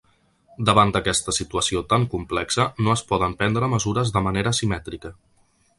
Davant d’aquesta situació tan complexa, no es poden prendre mesures de manera simètrica.